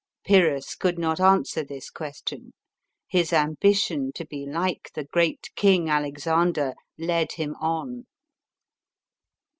" Pyrrhus could not answer this question. His ambition to be like the great king, Alexander, led him on.